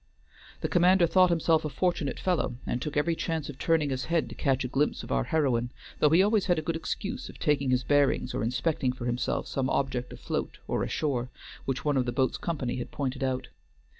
The commander thought himself a fortunate fellow, and took every chance of turning his head to catch a glimpse of our heroine, though he always had a good excuse of taking his bearings or inspecting for himself some object afloat or ashore which one of the boat's company had pointed out.